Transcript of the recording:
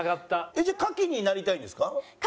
じゃあ牡蠣になりたいんですか？